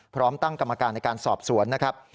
พร้อมตั้งกรรมการในการสอบสวนนะครับ